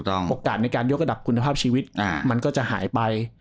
โอกาสในการยกระดับคุณภาพชีวิตมันก็จะหายไป